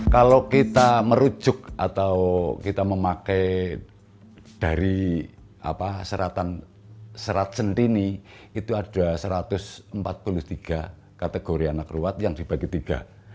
kalau kita merujuk atau kita memakai dari serat sentini itu ada satu ratus empat puluh tiga kategori anak ruat yang dibagi tiga